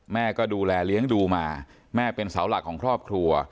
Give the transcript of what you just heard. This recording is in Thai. แม่ก็ดูแลเลี้ยงดูมาแม่เป็นเสาหลักของครอบครัว